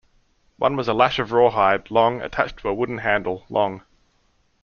One was a lash of rawhide, long, attached to a wooden handle, long.